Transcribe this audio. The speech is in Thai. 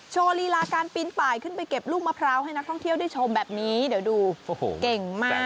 โชว์ลีลาการปีนป่ายขึ้นไปเก็บลูกมะพร้าวให้นักท่องเที่ยวได้ชมแบบนี้เดี๋ยวดูโอ้โหเก่งมาก